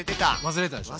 忘れてたでしょ。